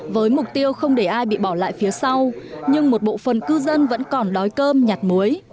với mục tiêu không để ai bị bỏ lại phía sau nhưng một bộ phần cư dân vẫn còn đói cơm nhặt muối